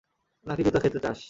নাকি জুতা খেতে চাস?